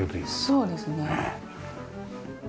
そうですね。